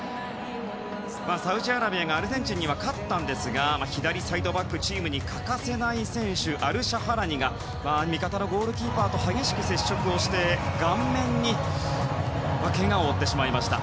サウジアラビアがアルゼンチンには勝ったんですが左サイドバックチームに欠かせない選手のアルシャハラニが味方のゴールキーパーと激しく接触して、顔面にけがを負ってしまいました。